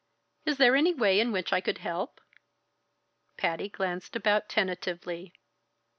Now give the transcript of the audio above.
"Is there any way in which I could help?" Patty glanced about tentatively.